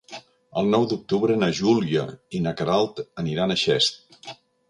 El nou d'octubre na Júlia i na Queralt aniran a Xest.